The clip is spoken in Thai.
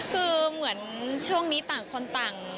คือเหมือนช่วงนี้ต่างคนต่าง